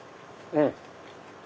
うん！